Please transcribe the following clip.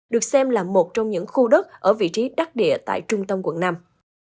được xem là một trong những khu đất ở vị trí đắc địa tại trung tâm tp hcm